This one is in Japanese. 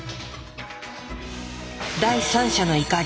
「第三者の怒り」。